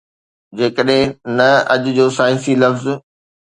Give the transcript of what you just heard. جيڪڏهن نه، اڄ جو سائنسي لفظ